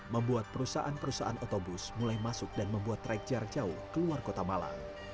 membuat perusahaan perusahaan otobus mulai masuk dan membuat track jarak jauh keluar kota malang